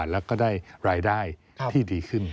แล้วก็ได้รายได้ที่ดีขึ้น